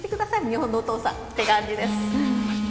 日本のお父さんって感じです。